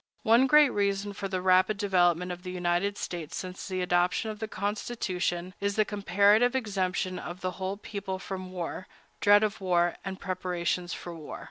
One great reason for the rapid development of the United States since the adoption of the Constitution is the comparative exemption of the whole people from war, dread of war, and preparations for war.